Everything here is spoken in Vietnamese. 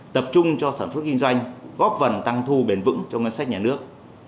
tập trung cho sản xuất kinh doanh góp phần tăng thu bền vững cho ngân sách nhà nước